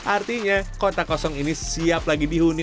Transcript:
artinya kota kosong ini siap lagi dihuni